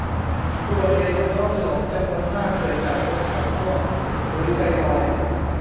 อุบัติเหตุบนท้องถนนจำนวนมากเกิดจากคนขับง่วงหรือใจลอย